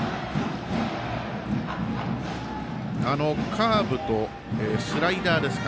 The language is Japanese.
カーブとスライダーですか。